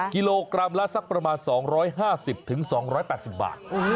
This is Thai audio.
กิโลกรัมละสักประมาณ๒๕๐๒๘๐บาท